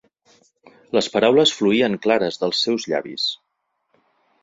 Les paraules fluïen clares dels seus llavis.